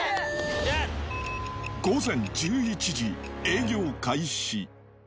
午前１１時、営業開始。